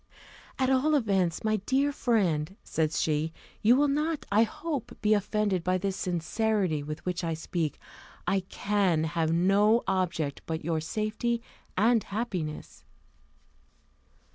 "At all events, my dear friend," said she, "you will not, I hope, be offended by the sincerity with which I speak I can have no object but your safety and happiness."